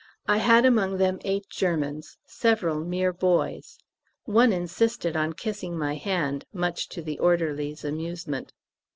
I had among them eight Germans, several mere boys. One insisted on kissing my hand, much to the orderlies' amusement.